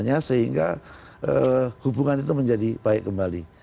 sehingga hubungan itu menjadi baik kembali